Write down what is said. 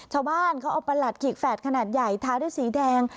ชาวบ้านเขาเอาประหลัดขีกแฝดขนาดใหญ่ทาด้วยสีแดง